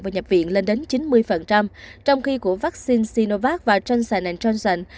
và nhập viện lên đến chín mươi trong khi của vaccine sinovac và johnson johnson